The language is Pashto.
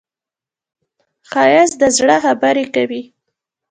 ښایست د زړه خبرې کوي